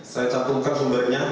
saya caturkan sumbernya